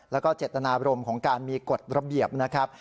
แล้วก็เจตนาบรมของการมีกฎระเบียบนะครับ